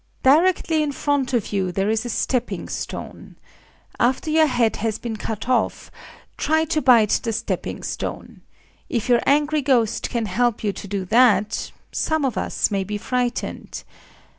Directly in front of you there is a stepping stone. After your head has been cut off, try to bite the stepping stone. If your angry ghost can help you to do that, some of us may be frightened...